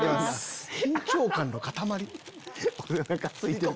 緊張感の塊！